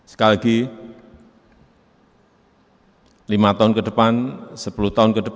sekali lagi lima tahun ke depan sepuluh tahun ke depan visi taktis itu harus kita miliki